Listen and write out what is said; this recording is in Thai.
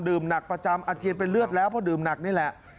หนักประจำอาเจียนเป็นเลือดแล้วเพราะดื่มหนักนี่แหละ